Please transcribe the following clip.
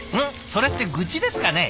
それって愚痴ですかね？